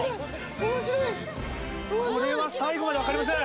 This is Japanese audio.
・面白い・これは最後まで分かりません。